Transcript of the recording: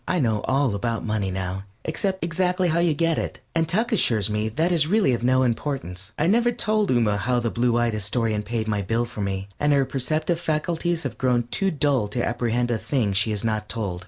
I know all about money now, except exactly how you get it, and Tuck assures me that is really of no importance. I never told Ooma how the blue eyed Astorian paid my bill for me, and her perceptive faculties have grown too dull to apprehend a thing she is not told.